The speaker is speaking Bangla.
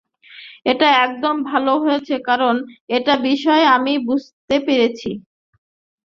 এটা একদম ভালো হয়েছে, কারণ একটা বিষয় আমি বুঝতে পেরেছি।